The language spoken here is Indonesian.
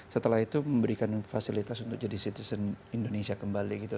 setelah itu memberikan fasilitas untuk jadi citizen indonesia kembali gitu